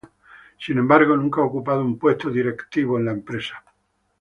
Sin embargo, nunca ha ocupado un puesto directivo en la empresa.